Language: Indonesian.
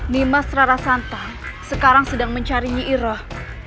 nimas rarasantang sekarang sedang mencari nyi iroh